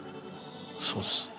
そうです。